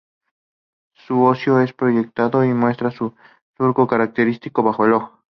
Su hocico es proyectado y muestra un surco característico bajo el ojo.